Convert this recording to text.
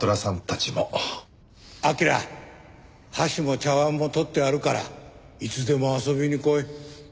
箸も茶わんも取ってあるからいつでも遊びに来い。